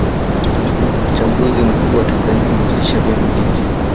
uchaguzi mkuu wa tanzania unahusisha vyama vingi